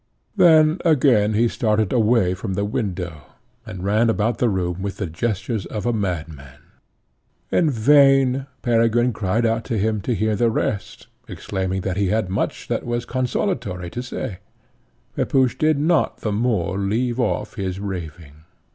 Then again he started away from the window, and ran about the room with the gestures of a madman. In vain Peregrine cried out to him to hear the rest, exclaiming that he had much that was consolatory to say Pepusch did not the more leave off his raving.